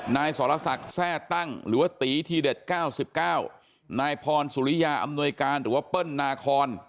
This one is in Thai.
นายสรษะแทร่ตั้งหรือว่าตีทีเด็ดเก้าสิบเก้านายพรสุริยาอำนวยการหรือว่าเปิ้ลนาคอน